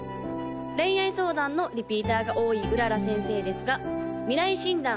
恋愛相談のリピーターが多い麗先生ですが未来診断